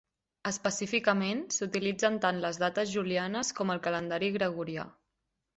Específicament, s'utilitzen tant les dates julianes com el calendari gregorià.